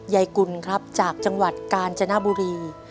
กุลครับจากจังหวัดกาญจนบุรี